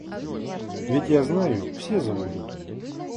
Ведь я знаю, все забудут.